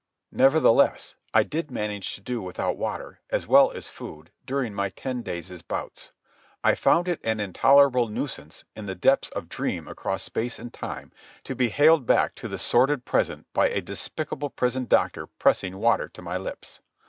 Nevertheless I did manage to do without water, as well as food, during my ten days' bouts. I found it an intolerable nuisance, in the deeps of dream across space and time, to be haled back to the sordid present by a despicable prison doctor pressing water to my lips.